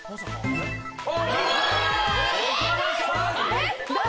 えっ！？